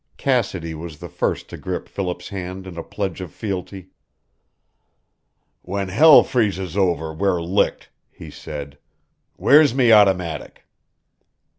Cassidy was the first to grip Philip's hand in a pledge of fealty. "When hell freezes over, we're licked," he said. "Where's me automatic?"